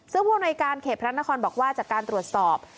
ซึ่งผู้อำนวยการเขตพระนครบอกว่าจากการตรวจสอบ